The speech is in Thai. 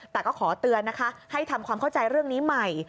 แต่ก็ขอเตือนนะคะให้ทำความเข้าใจเรื่องนี้ใหม่